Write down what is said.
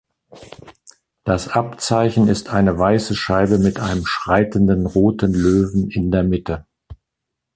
Das Abzeichen ist eine weiße Scheibe mit einem schreitenden roten Löwen in der Mitte.